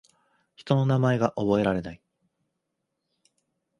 人の名前が覚えられない